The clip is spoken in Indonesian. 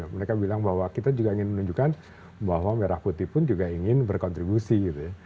mereka bilang bahwa kita juga ingin menunjukkan bahwa merah putih pun juga ingin berkontribusi gitu ya